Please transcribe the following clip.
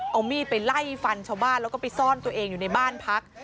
เอามีดไปไล่ฟันชาวบ้านแล้วก็ไปซ่อนตัวเองอยู่ในบ้านพัก